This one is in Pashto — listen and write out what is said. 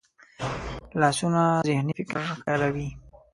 لاسونه ذهني فکر ښکاروي